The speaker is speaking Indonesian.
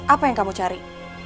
apa yang kamu cari